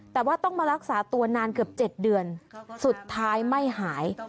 แต่ว่าต้องมารักษาตัวนานเกือบ๗เดือนสุดท้ายไม่หาย